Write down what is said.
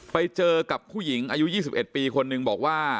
ไปเจอกับผู้หญิงอายุ๒๑ปีคนหนึ่งบอกว่า